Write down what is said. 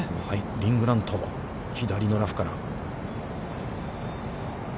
リン・グラント、左のラフから。